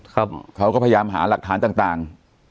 เขาก็พยายามหาหลักฐานต่าง